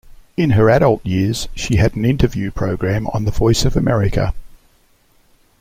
In her adult years, she had an interview program on the Voice of America.